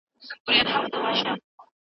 څومره په ناز او په انداز باندې